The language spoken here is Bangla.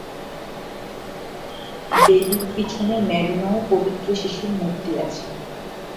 বেদীর পিছনে ম্যাডোনা ও পবিত্র শিশুর মূর্তি আছে।